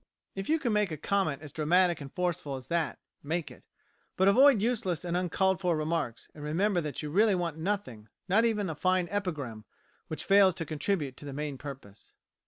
_ If you can make a comment as dramatic and forceful as that, make it. But avoid useless and uncalled for remarks, and remember that you really want nothing, not even a fine epigram, which fails to contribute to the main purpose.